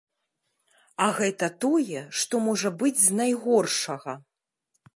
А гэта тое, што можа быць з найгоршага.